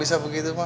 oh ya bagus